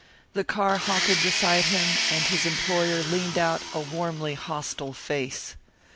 The car halted beside him and his employer leaned out a warmly hostile face.